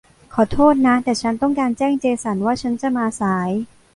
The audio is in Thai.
ขอโทษนะ แต่ฉันต้องการแจ้งเจสันว่าฉันจะมาสาย